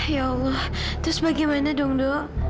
ya allah terus bagaimana dongdo